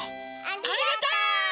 ありがとう！